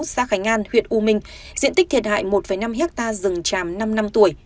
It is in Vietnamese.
xã khánh an huyện u minh diện tích thiệt hại một năm ha rừng chàm năm năm tuổi